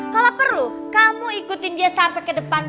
kalau perlu kamu ikutin dia sampai ke depan